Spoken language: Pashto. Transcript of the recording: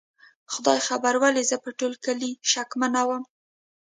خدای خبر ولې زه په ټول کلي شکمنه ومه؟